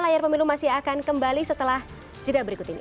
layar pemilu masih akan kembali setelah jeda berikut ini